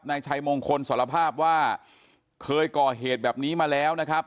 นายชัยมงคลสารภาพว่าเคยก่อเหตุแบบนี้มาแล้วนะครับ